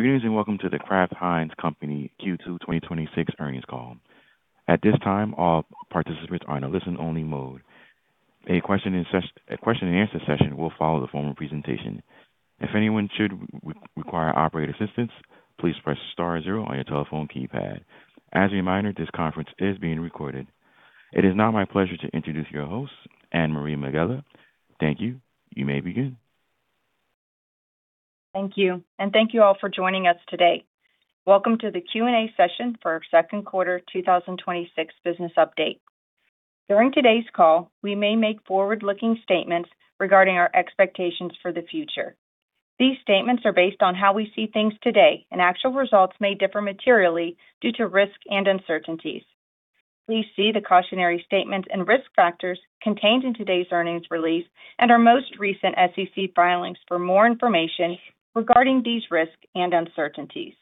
Greetings, welcome to The Kraft Heinz Company Q2 2026 earnings call. At this time, all participants are in a listen-only mode. A question-and-answer session will follow the formal presentation. If anyone should require operator assistance, please press star zero on your telephone keypad. As a reminder, this conference is being recorded. It is now my pleasure to introduce your host, Anne-Marie Megela. Thank you. You may begin. Thank you, thank you all for joining us today. Welcome to the Q&A session for our second quarter 2026 business update. During today's call, we may make forward-looking statements regarding our expectations for the future. These statements are based on how we see things today, actual results may differ materially due to risks and uncertainties. Please see the cautionary statements and risk factors contained in today's earnings release and our most recent SEC filings for more information regarding these risks and uncertainties.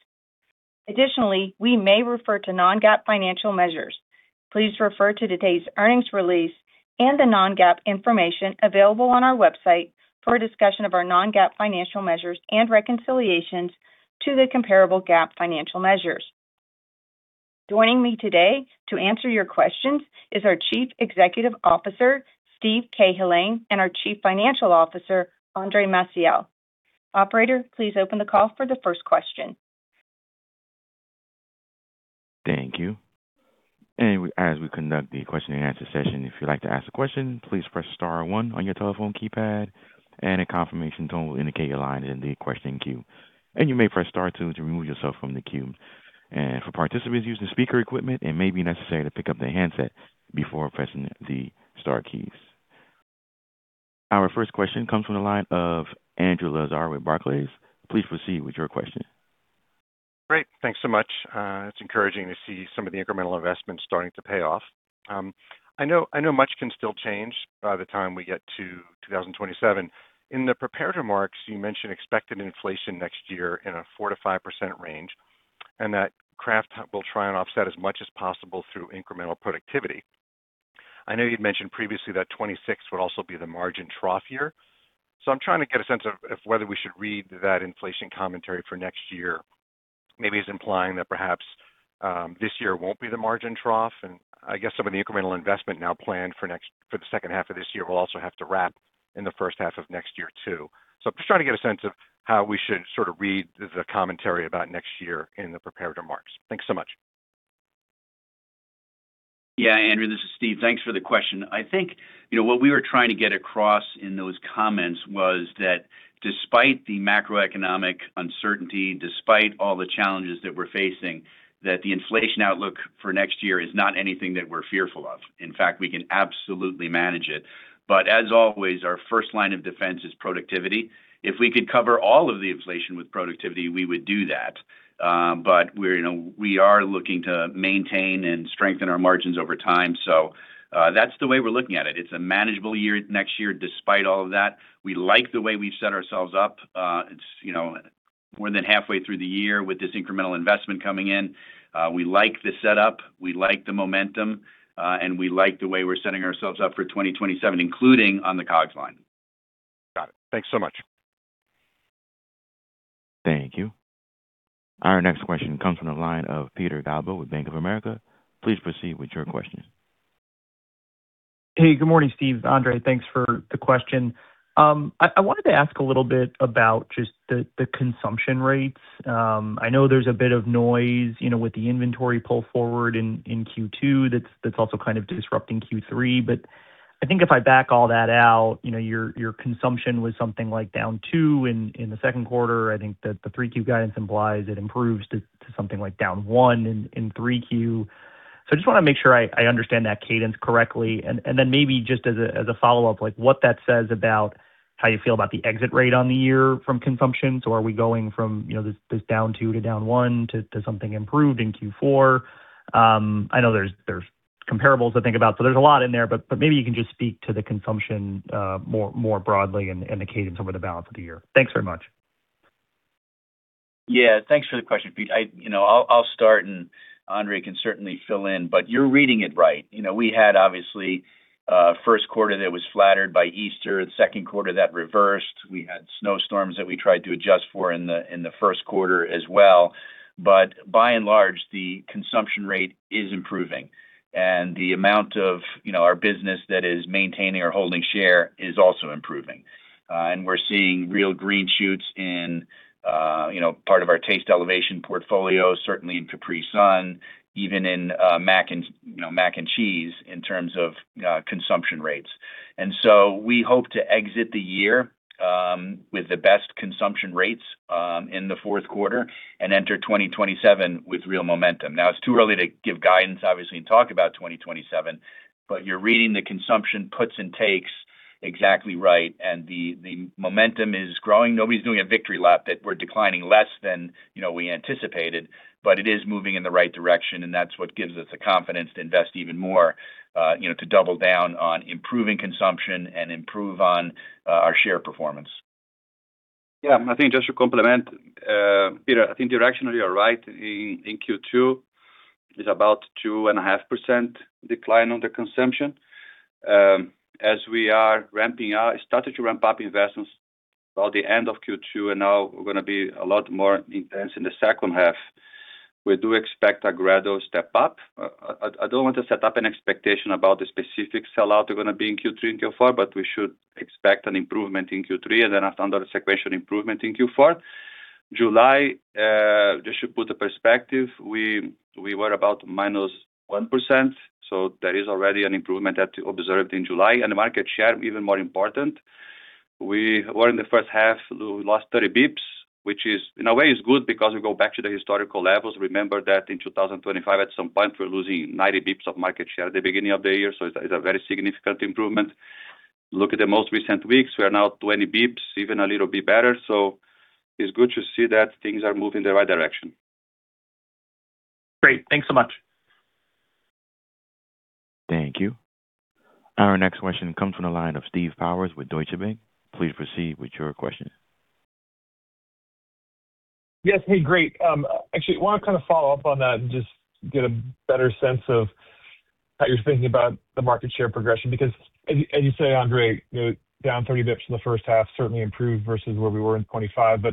Additionally, we may refer to non-GAAP financial measures. Please refer to today's earnings release and the non-GAAP information available on our website for a discussion of our non-GAAP financial measures and reconciliations to the comparable GAAP financial measures. Joining me today to answer your questions is our Chief Executive Officer, Steve Cahillane, and our Chief Financial Officer, Andre Maciel. Operator, please open the call for the first question. Thank you. As we conduct the question and answer session, if you'd like to ask a question, please press star one on your telephone keypad, a confirmation tone will indicate your line is in the question queue. You may press star two to remove yourself from the queue. For participants using speaker equipment, it may be necessary to pick up the handset before pressing the star keys. Our first question comes from the line of Andrew Lazar with Barclays. Please proceed with your question. Great. Thanks so much. It's encouraging to see some of the incremental investments starting to pay off. I know much can still change by the time we get to 2027. In the prepared remarks, you mentioned expected inflation next year in a 4%-5% range, and that Kraft will try and offset as much as possible through incremental productivity. I know you'd mentioned previously that 2026 would also be the margin trough year, so I'm trying to get a sense of whether we should read that inflation commentary for next year maybe as implying that perhaps this year won't be the margin trough. I guess some of the incremental investment now planned for the second half of this year will also have to wrap in the first half of next year, too. Just trying to get a sense of how we should sort of read the commentary about next year in the prepared remarks. Thanks so much. Yeah, Andrew, this is Steve. Thanks for the question. I think what we were trying to get across in those comments was that despite the macroeconomic uncertainty, despite all the challenges that we're facing, that the inflation outlook for next year is not anything that we're fearful of. In fact, we can absolutely manage it. As always, our first line of defense is productivity. If we could cover all of the inflation with productivity, we would do that. We are looking to maintain and strengthen our margins over time, that's the way we're looking at it. It's a manageable year next year despite all of that. We like the way we've set ourselves up. It's more than halfway through the year with this incremental investment coming in. We like the setup. We like the momentum. We like the way we're setting ourselves up for 2027, including on the COGS line. Got it. Thanks so much. Thank you. Our next question comes from the line of Peter Galbo with Bank of America. Please proceed with your question. Hey, good morning, Steve, Andre. Thanks for the question. I wanted to ask a little bit about just the consumption rates. I know there's a bit of noise with the inventory pull forward in Q2 that's also kind of disrupting Q3. I think if I back all that out, your consumption was something like down 2% in the second quarter. I think that the 3Q guidance implies it improves to something like down 1% in 3Q. I just want to make sure I understand that cadence correctly, and then maybe just as a follow-up, what that says about how you feel about the exit rate on the year from consumption. Are we going from this down 2% to down 1% to something improved in Q4? I know there's comparables to think about, there's a lot in there, maybe you can just speak to the consumption more broadly and the cadence over the balance of the year. Thanks very much. Thanks for the question, Pete. I'll start. Andre can certainly fill in, but you're reading it right. We had obviously a first quarter that was flattered by Easter, the second quarter that reversed. We had snowstorms that we tried to adjust for in the first quarter as well. By and large, the consumption rate is improving. The amount of our business that is maintaining or holding share is also improving. We're seeing real green shoots in part of our taste elevation portfolio, certainly in Capri Sun, even in Mac & Cheese in terms of consumption rates. We hope to exit the year with the best consumption rates in the fourth quarter and enter 2027 with real momentum. It's too early to give guidance, obviously, and talk about 2027, but you're reading the consumption puts and takes exactly right. The momentum is growing. Nobody's doing a victory lap that we're declining less than we anticipated, but it is moving in the right direction, and that's what gives us the confidence to invest even more, to double down on improving consumption and improve on our share performance. I think just to complement, Peter, I think directionally you're right. In Q2, it's about 2.5% decline on the consumption. As we are starting to ramp up investments throughout the end of Q2, now we're going to be a lot more intense in the second half. We do expect a gradual step up. I don't want to set up an expectation about the specific sell out are going to be in Q3 and Q4. We should expect an improvement in Q3 and then under the sequential improvement in Q4. July, just to put a perspective, we were about -1%. There is already an improvement that we observed in July. The market share even more important. We were in the first half, we lost 30 basis points, which in a way is good because we go back to the historical levels. Remember that in 2025 at some point, we're losing 90 basis points of market share at the beginning of the year. It's a very significant improvement. Look at the most recent weeks, we are now 20 basis points, even a little bit better. It's good to see that things are moving in the right direction. Great. Thanks so much. Thank you. Our next question comes from the line of Steve Powers with Deutsche Bank. Please proceed with your question. Yes. Hey, great. Actually, want to kind of follow up on that and just get a better sense of how you're thinking about the market share progression. Because as you say, Andre, down 30 basis points in the first half certainly improved versus where we were in 2025.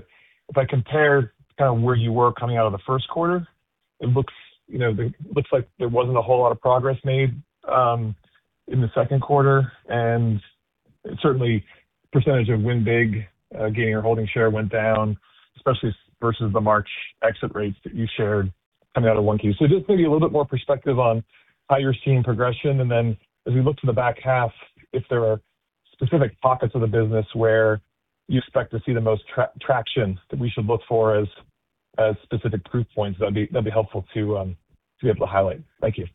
If I compare kind of where you were coming out of the first quarter, it looks like there wasn't a whole lot of progress made in the second quarter. Certainly percentage of win big, gaining or holding share went down, especially versus the March exit rates that you shared coming out of 1Q. Just maybe a little bit more perspective on how you're seeing progression, as we look to the back half, if there are specific pockets of the business where you expect to see the most traction that we should look for as specific proof points, that'd be helpful to be able to highlight. Thank you.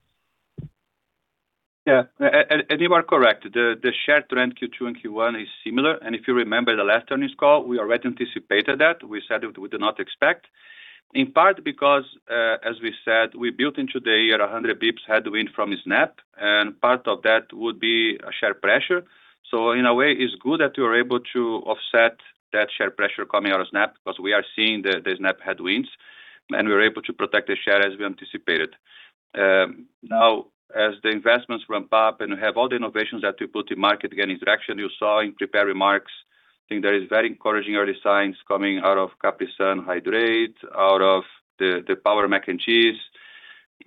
You are correct. The share trend Q2 and Q1 is similar. If you remember the last earnings call, we already anticipated that. We said we do not expect, in part because, as we said, we built into the year 100 basis points headwind from SNAP, and part of that would be a share pressure. In a way, it's good that we were able to offset that share pressure coming out of SNAP because we are seeing the SNAP headwinds, and we were able to protect the share as we anticipated. Now as the investments ramp up and we have all the innovations that we put to market getting traction, you saw in prepared remarks, I think there is very encouraging early signs coming out of Capri Sun Hydrate, out of the Power Mac & Cheese,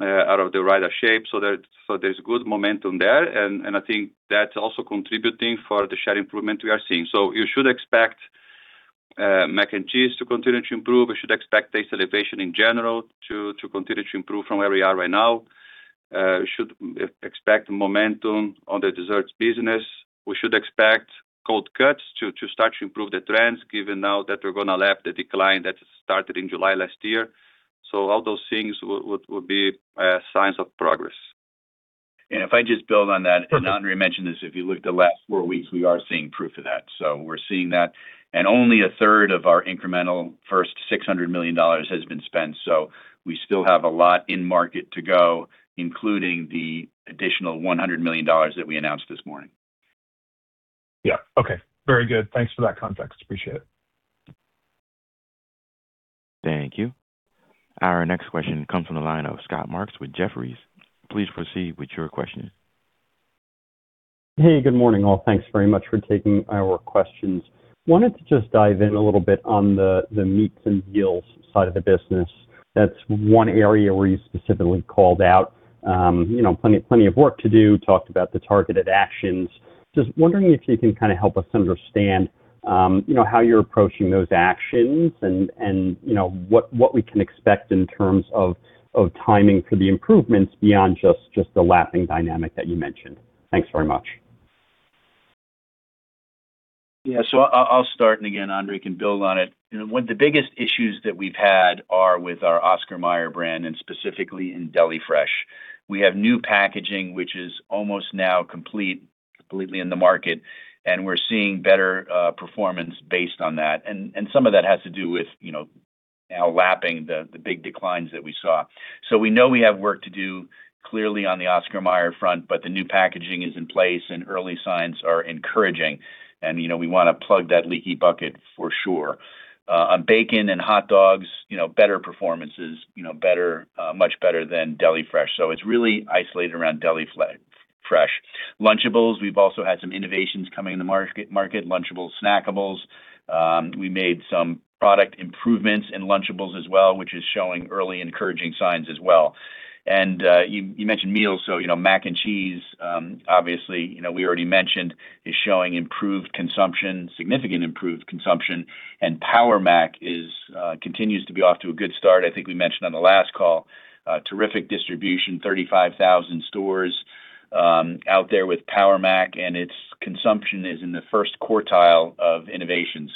out of the Ore-Ida Shapes. There's good momentum there, and I think that's also contributing for the share improvement we are seeing. You should expect Mac & Cheese to continue to improve. You should expect taste elevation in general to continue to improve from where we are right now. You should expect momentum on the desserts business. We should expect cold cuts to start to improve the trends, given now that we're going to lap the decline that started in July last year. All those things would be signs of progress. If I just build on that, and Andre mentioned this, if you look at the last four weeks, we are seeing proof of that. We're seeing that and only a third of our incremental first $600 million has been spent. We still have a lot in market to go, including the additional $100 million that we announced this morning. Very good. Thanks for that context. Appreciate it. Thank you. Our next question comes from the line of Scott Marks with Jefferies. Please proceed with your question. Hey, good morning, all. Thanks very much for taking our questions. Wanted to just dive in a little bit on the meats and meals side of the business. That's one area where you specifically called out plenty of work to do, talked about the targeted actions. Just wondering if you can kind of help us understand how you're approaching those actions and what we can expect in terms of timing for the improvements beyond just the lapping dynamic that you mentioned. Thanks very much. Yeah. I'll start, again, Andre can build on it. One of the biggest issues that we've had are with our Oscar Mayer brand, specifically in Deli Fresh. We have new packaging, which is almost now complete, completely in the market, and we're seeing better performance based on that. Some of that has to do with now lapping the big declines that we saw. We know we have work to do clearly on the Oscar Mayer front, but the new packaging is in place and early signs are encouraging. We want to plug that leaky bucket for sure. On bacon and hot dogs, better performances, much better than Deli Fresh. It's really isolated around Deli Fresh. Lunchables, we've also had some innovations coming in the market, Lunchables Snackables. We made some product improvements in Lunchables as well, which is showing early encouraging signs as well. You mentioned meals, Mac & Cheese, obviously we already mentioned is showing improved consumption, significant improved consumption, and PowerMac continues to be off to a good start. I think we mentioned on the last call, terrific distribution, 35,000 stores out there with PowerMac, and its consumption is in the first quartile of innovation.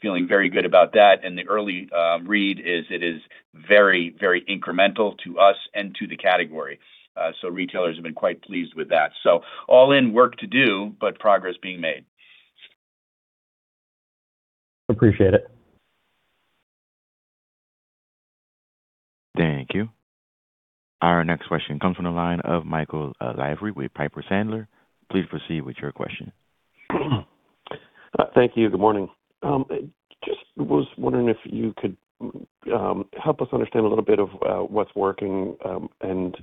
Feeling very good about that. The early read is it is very incremental to us and to the category. Retailers have been quite pleased with that. All in work to do, but progress being made. Appreciate it. Thank you. Our next question comes from the line of Michael Lavery with Piper Sandler. Please proceed with your question. Thank you. Good morning. Was wondering if you could help us understand a little bit of what's working and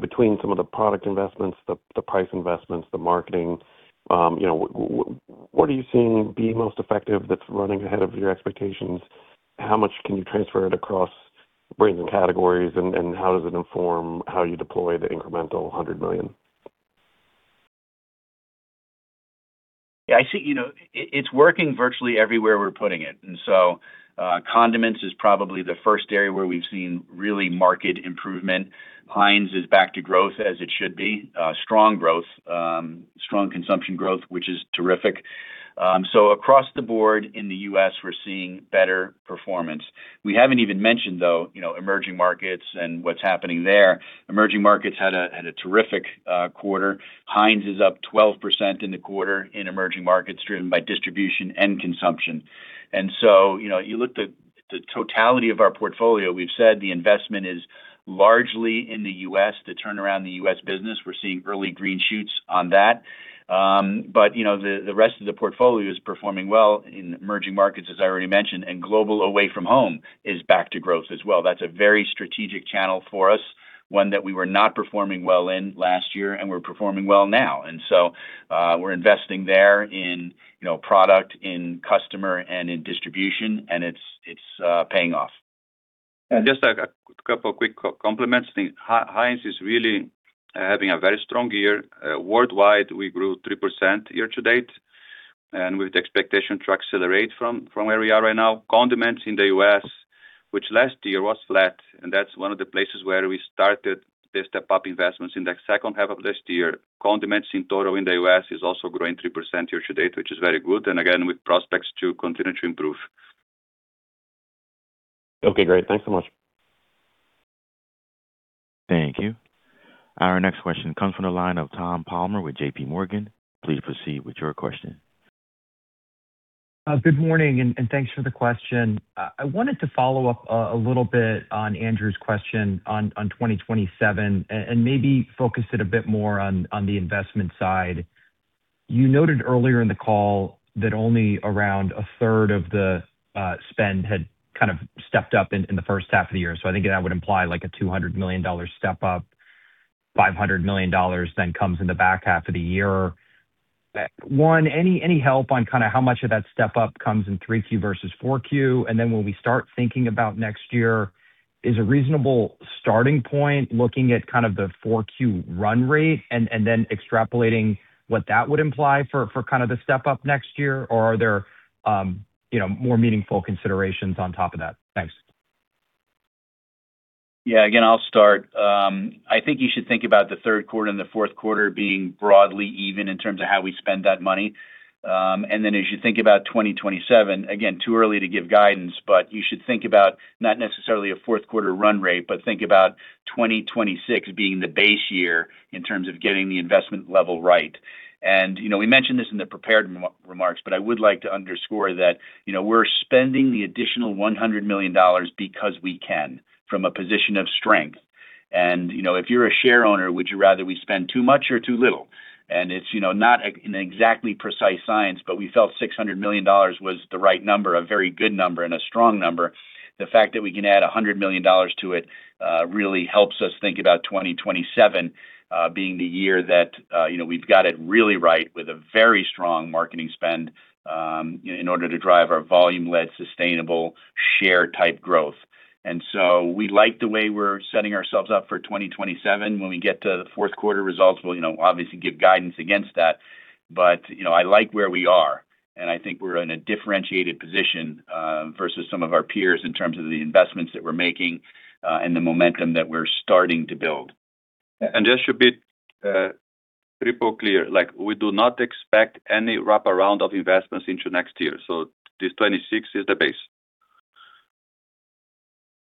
between some of the product investments, the price investments, the marketing, what are you seeing being most effective that's running ahead of your expectations? How much can you transfer it across brands and categories, and how does it inform how you deploy the incremental $100 million? I see it's working virtually everywhere we're putting it. Condiments is probably the first area where we've seen really market improvement. Heinz is back to growth, as it should be. Strong growth, strong consumption growth, which is terrific. Across the board in the U.S., we're seeing better performance. We haven't even mentioned, though, emerging markets and what's happening there. Emerging markets had a terrific quarter. Heinz is up 12% in the quarter in emerging markets, driven by distribution and consumption. You look at the totality of our portfolio, we've said the investment is largely in the U.S. to turn around the U.S. business. We're seeing early green shoots on that. The rest of the portfolio is performing well in emerging markets, as I already mentioned, and global away from home is back to growth as well. That's a very strategic channel for us, one that we were not performing well in last year, and we're performing well now. We're investing there in product, in customer, and in distribution, and it's paying off. Just a couple of quick compliments. Heinz is really having a very strong year. Worldwide, we grew 3% year-to-date, with the expectation to accelerate from where we are right now. Condiments in the U.S., which last year was flat, and that's one of the places where we started the step-up investments in the second half of last year. Condiments in total in the U.S. is also growing 3% year-to-date, again, with prospects to continue to improve. Okay, great. Thanks so much. Thank you. Our next question comes from the line of Tom Palmer with JPMorgan. Please proceed with your question. Good morning, and thanks for the question. I wanted to follow up a little bit on Andrew's question on 2027 and maybe focus it a bit more on the investment side. You noted earlier in the call that only around a third of the spend had kind of stepped up in the first half of the year. I think that would imply like a $200 million step up, $500 million then comes in the back half of the year. One, any help on kind of how much of that step up comes in 3Q versus 4Q? When we start thinking about next year, is a reasonable starting point looking at kind of the 4Q run rate and then extrapolating what that would imply for kind of the step up next year? Or are there more meaningful considerations on top of that? Thanks. Yeah. Again, I'll start. I think you should think about the third quarter and the fourth quarter being broadly even in terms of how we spend that money. As you think about 2027, again, too early to give guidance, but you should think about not necessarily a fourth quarter run rate, but think about 2026 being the base year in terms of getting the investment level right. We mentioned this in the prepared remarks, but I would like to underscore that we're spending the additional $100 million because we can, from a position of strength. If you're a shareowner, would you rather we spend too much or too little? It's not an exactly precise science, but we felt $600 million was the right number, a very good number, and a strong number. The fact that we can add $100 million to it really helps us think about 2027 being the year that we've got it really right with a very strong marketing spend in order to drive our volume-led, sustainable share type growth. We like the way we're setting ourselves up for 2027. When we get to the fourth quarter results, we'll obviously give guidance against that. I like where we are, and I think we're in a differentiated position versus some of our peers in terms of the investments that we're making and the momentum that we're starting to build. Just to be crystal clear, we do not expect any wraparound of investments into next year. This 2026 is the base.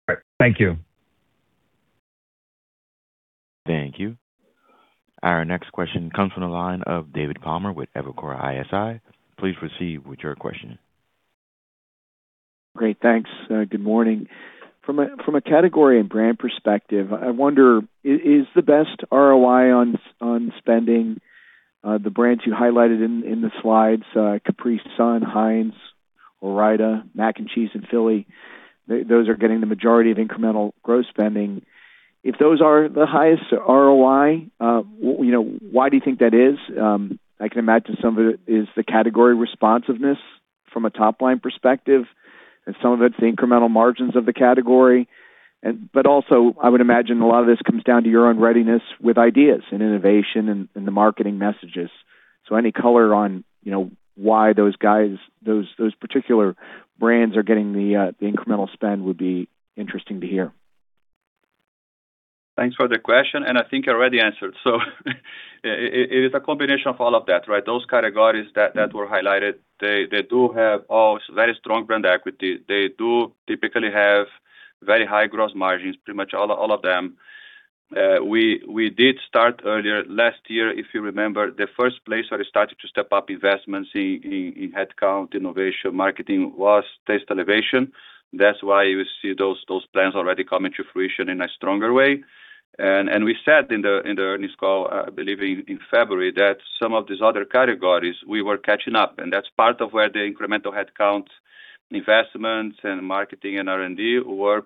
All right. Thank you. Thank you. Our next question comes from the line of David Palmer with Evercore ISI. Please proceed with your question. Great, thanks. Good morning. From a category and brand perspective, I wonder, is the best ROI on spending the brands you highlighted in the slides, Capri Sun, Heinz, Ore-Ida, Mac & Cheese, and Philly, those are getting the majority of incremental growth spending. If those are the highest ROI, why do you think that is? I can imagine some of it is the category responsiveness from a top-line perspective, and some of it's the incremental margins of the category. Also, I would imagine a lot of this comes down to your own readiness with ideas and innovation and the marketing messages. Any color on why those guys, those particular brands are getting the incremental spend would be interesting to hear. Thanks for the question. I think I already answered. It is a combination of all of that, right? Those categories that were highlighted, they do have all very strong brand equity. They do typically have very high gross margins, pretty much all of them. We did start earlier last year, if you remember, the first place where we started to step up investments in headcount, innovation, marketing was taste elevation. That's why you see those plans already coming to fruition in a stronger way. We said in the earnings call, I believe in February, that some of these other categories we were catching up, and that's part of where the incremental headcount investments and marketing and R&D work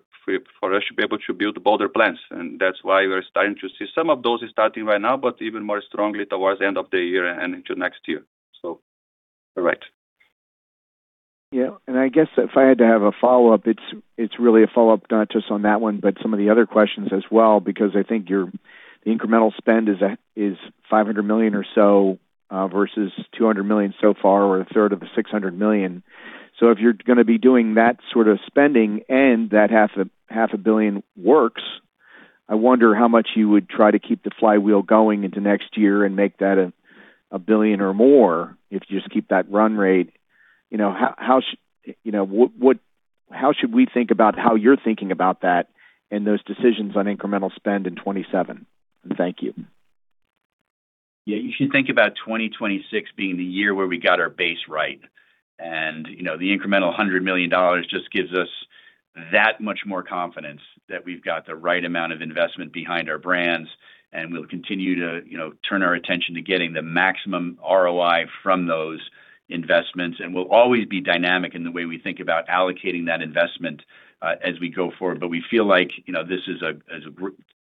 for us to be able to build bolder plans. That's why we're starting to see some of those starting right now, but even more strongly towards the end of the year and into next year. All right. Yeah. I guess if I had to have a follow-up, it's really a follow-up not just on that one, but some of the other questions as well, because I think your incremental spend is $500 million or so, versus $200 million so far or 1/3 of the $600 million. If you're going to be doing that sort of spending and that $500 million works, I wonder how much you would try to keep the flywheel going into next year and make that $1 billion or more if you just keep that run rate. How should we think about how you're thinking about that and those decisions on incremental spend in 2027? Thank you. Yeah, you should think about 2026 being the year where we got our base right. The incremental $100 million just gives us that much more confidence that we've got the right amount of investment behind our brands, and we'll continue to turn our attention to getting the maximum ROI from those investments. We'll always be dynamic in the way we think about allocating that investment as we go forward. We feel like this has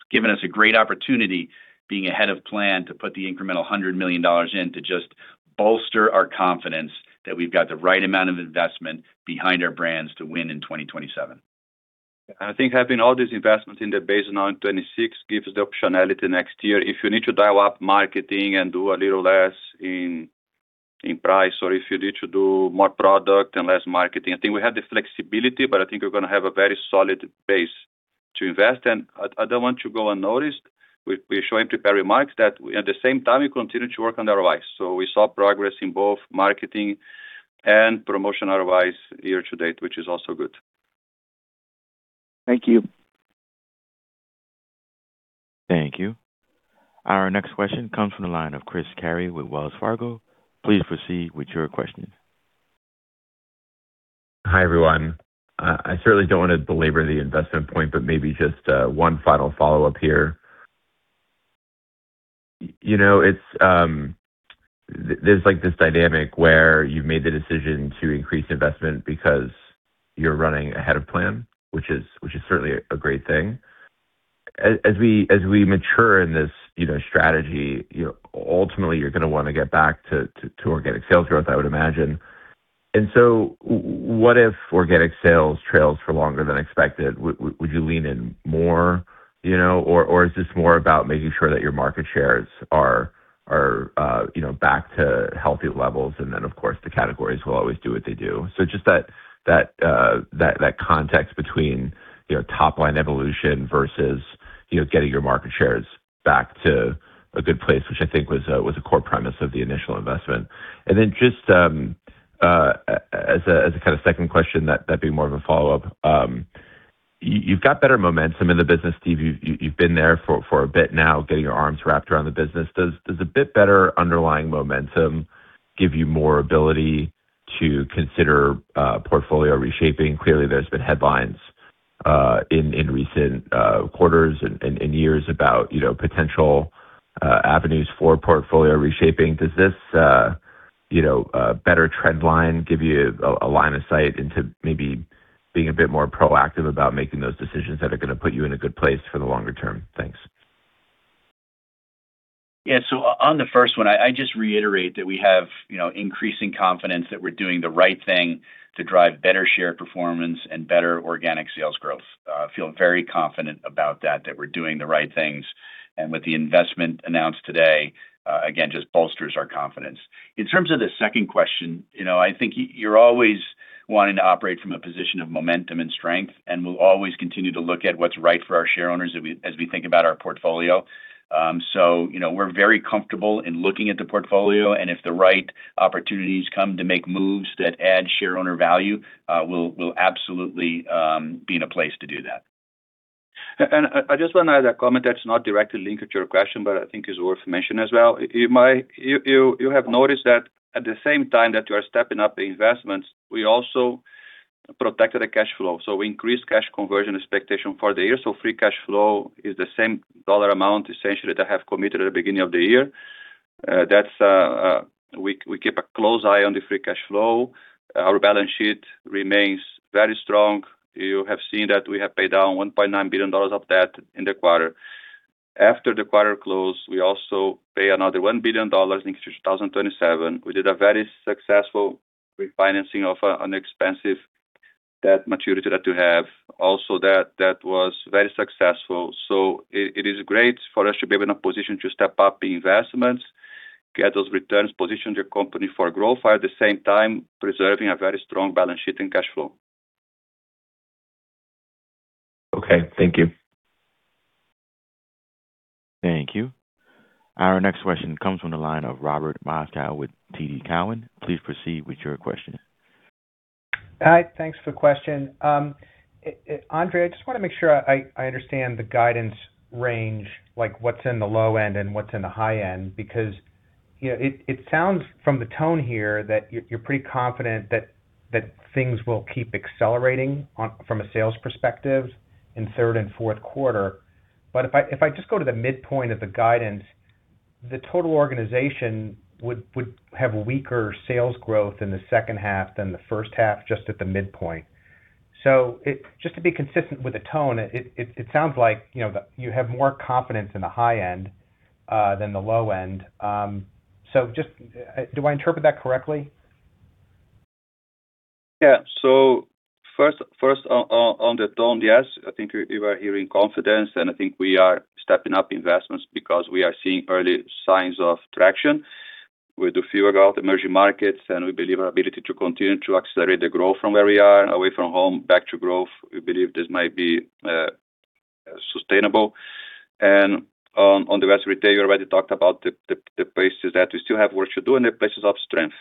given us a great opportunity, being ahead of plan to put the incremental $100 million in to just bolster our confidence that we've got the right amount of investment behind our brands to win in 2027. I think having all these investments in the base now in 2026 gives the optionality next year if you need to dial up marketing and do a little less in price, or if you need to do more product and less marketing. I think we have the flexibility, but I think we're going to have a very solid base to invest. I don't want to go unnoticed. We're showing to Perry Marks that at the same time, we continue to work on the ROIs. We saw progress in both marketing and promotion ROIs year-to-date, which is also good. Thank you. Thank you. Our next question comes from the line of Chris Carey with Wells Fargo. Please proceed with your question. Hi, everyone. I certainly don't want to belabor the investment point, but maybe just one final follow-up here. There's this dynamic where you've made the decision to increase investment because you're running ahead of plan, which is certainly a great thing. As we mature in this strategy, ultimately you're going to want to get back to organic sales growth, I would imagine. What if organic sales trails for longer than expected? Would you lean in more? Or is this more about making sure that your market shares are back to healthy levels, and then of course, the categories will always do what they do. Just that context between top line evolution versus getting your market shares back to a good place, which I think was a core premise of the initial investment. Just as a kind of second question, that'd be more of a follow-up. You've got better momentum in the business, Steve. You've been there for a bit now, getting your arms wrapped around the business. Does a bit better underlying momentum give you more ability to consider portfolio reshaping? Clearly, there's been headlines in recent quarters and years about potential avenues for portfolio reshaping. Does this better trend line give you a line of sight into maybe being a bit more proactive about making those decisions that are going to put you in a good place for the longer term? Thanks. Yeah. On the first one, I just reiterate that we have increasing confidence that we're doing the right thing to drive better share performance and better organic sales growth. I feel very confident about that we're doing the right things. With the investment announced today, again, just bolsters our confidence. In terms of the second question, I think you're always wanting to operate from a position of momentum and strength, and we'll always continue to look at what's right for our shareowners as we think about our portfolio. We're very comfortable in looking at the portfolio, and if the right opportunities come to make moves that add shareowner value, we'll absolutely be in a place to do that. I just want to add a comment that's not directly linked to your question, but I think is worth mentioning as well. You have noticed that at the same time that we are stepping up the investments, we also protected the cash flow. We increased cash conversion expectation for the year. Free cash flow is the same dollar amount, essentially, that I have committed at the beginning of the year. We keep a close eye on the free cash flow. Our balance sheet remains very strong. You have seen that we have paid down $1.9 billion of debt in the quarter. After the quarter closed, we also pay another $1 billion in 2027. We did a very successful refinancing of an expensive debt maturity that we have also that was very successful. It is great for us to be in a position to step up the investments, get those returns, position the company for growth, while at the same time preserving a very strong balance sheet and cash flow. Okay. Thank you. Thank you. Our next question comes from the line of Robert Moskow with TD Cowen. Please proceed with your question. Hi. Thanks for the question. Andre, I just want to make sure I understand the guidance range, like what's in the low end and what's in the high end. It sounds from the tone here that you're pretty confident that things will keep accelerating from a sales perspective in third and fourth quarter. If I just go to the midpoint of the guidance, the total organization would have weaker sales growth in the second half than the first half just at the midpoint. Just to be consistent with the tone, it sounds like you have more confidence in the high end than the low end. Do I interpret that correctly? Yeah. First on the tone, yes, I think you are hearing confidence, I think we are stepping up investments because we are seeing early signs of traction. We do feel about emerging markets, we believe our ability to continue to accelerate the growth from where we are, away from home, back to growth, we believe this might be sustainable. On the rest, we already talked about the places that we still have work to do and the places of strength.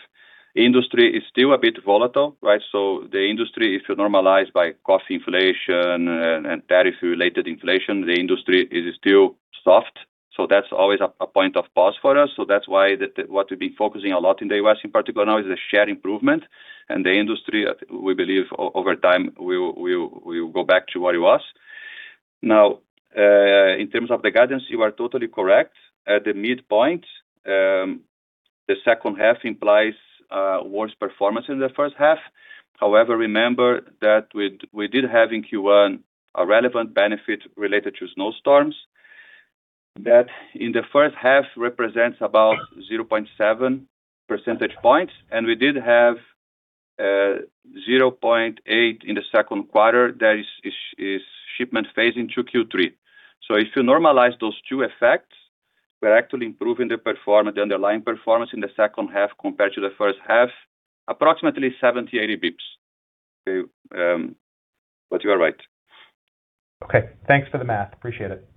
Industry is still a bit volatile, right? The industry, if you normalize by cost inflation and tariff-related inflation, the industry is still soft. That's always a point of pause for us. That's why what we've been focusing a lot in the U.S. in particular now is the share improvement and the industry, we believe over time will go back to what it was. In terms of the guidance, you are totally correct. At the midpoint, the second half implies worse performance in the first half. Remember that we did have in Q1 a relevant benefit related to snowstorms that in the first half represents about 0.7 percentage points, and we did have 0.8 in the second quarter. That is shipment phasing to Q3. If you normalize those two effects, we're actually improving the performance, underlying performance in the second half compared to the first half, approximately 70, 80 basis points. You are right. Thanks for the math. Appreciate it.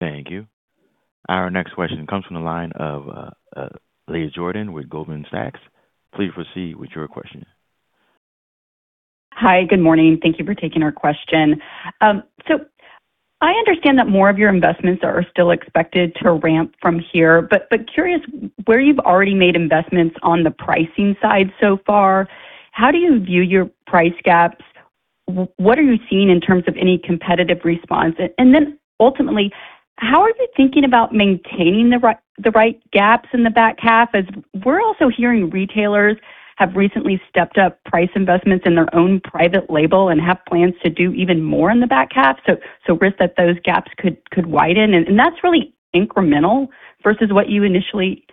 Thank you. Our next question comes from the line of Leah Jordan with Goldman Sachs. Please proceed with your question. Hi. Good morning. Thank you for taking our question. I understand that more of your investments are still expected to ramp from here, but curious where you've already made investments on the pricing side so far, how do you view your price gaps? What are you seeing in terms of any competitive response? Ultimately, how are they thinking about maintaining the right gaps in the back half? As we're also hearing retailers have recently stepped up price investments in their own private label and have plans to do even more in the back half. Risk that those gaps could widen. That's really incremental versus when you initially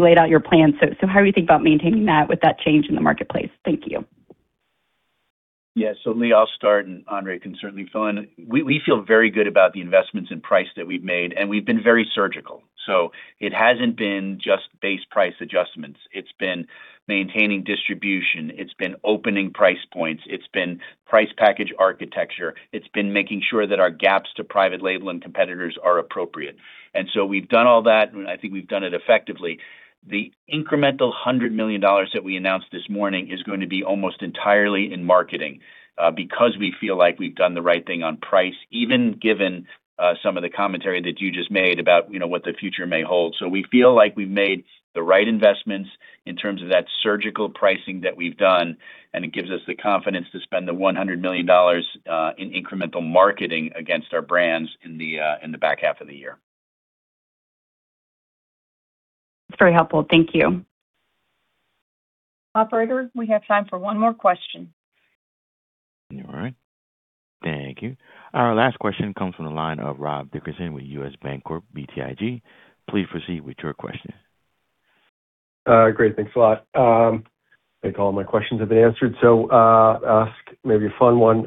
laid out your plan. How are you think about maintaining that with that change in the marketplace? Thank you. Yeah. Leah, I'll start and Andre can certainly fill in. We feel very good about the investments in price that we've made, and we've been very surgical. It hasn't been just base price adjustments. It's been maintaining distribution. It's been opening price points. It's been price package architecture. It's been making sure that our gaps to private label and competitors are appropriate. We've done all that, and I think we've done it effectively. The incremental $100 million that we announced this morning is going to be almost entirely in marketing, because we feel like we've done the right thing on price, even given some of the commentary that you just made about what the future may hold. We feel like we've made the right investments in terms of that surgical pricing that we've done, and it gives us the confidence to spend the $100 million in incremental marketing against our brands in the back half of the year. That's very helpful. Thank you. Operator, we have time for one more question. All right. Thank you. Our last question comes from the line of Rob Dickerson with U.S. Bancorp BTIG. Please proceed with your question. Great. Thanks a lot. I think all my questions have been answered. Ask maybe a fun one.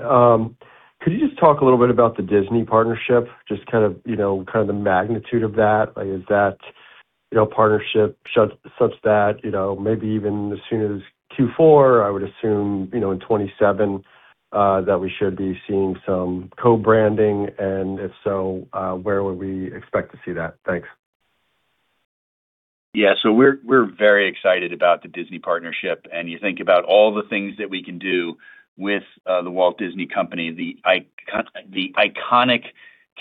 Could you just talk a little bit about the Disney partnership, just kind of the magnitude of that? Is that partnership such that maybe even as soon as Q4, I would assume in 2027, that we should be seeing some co-branding, and if so, where would we expect to see that? Thanks. Yeah. We're very excited about the Disney partnership. You think about all the things that we can do with The Walt Disney Company, the iconic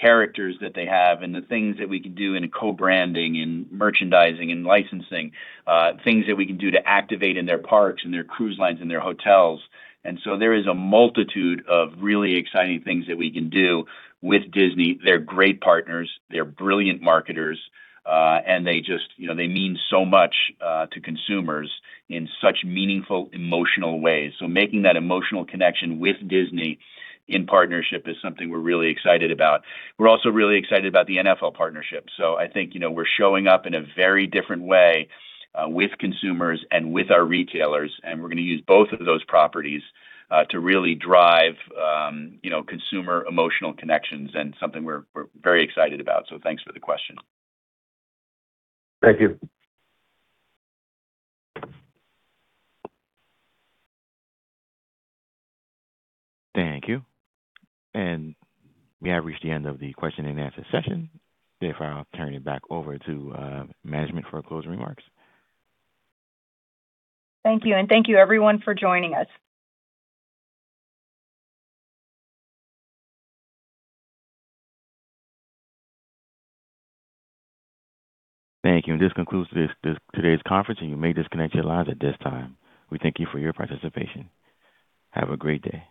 characters that they have and the things that we can do in co-branding, in merchandising, in licensing, things that we can do to activate in their parks, in their cruise lines, in their hotels. There is a multitude of really exciting things that we can do with Disney. They're great partners. They're brilliant marketers. They just mean so much to consumers in such meaningful, emotional ways. Making that emotional connection with Disney in partnership is something we're really excited about. We're also really excited about the NFL partnership. I think we're showing up in a very different way with consumers and with our retailers, and we're going to use both of those properties to really drive consumer emotional connections and something we're very excited about. Thanks for the question. Thank you. Thank you. We have reached the end of the question and answer session. Therefore, I'll turn it back over to management for closing remarks. Thank you, and thank you everyone for joining us. Thank you. This concludes today's conference, and you may disconnect your lines at this time. We thank you for your participation. Have a great day.